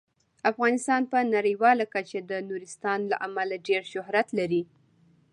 افغانستان په نړیواله کچه د نورستان له امله ډیر شهرت لري.